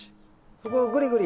そこをぐりぐり。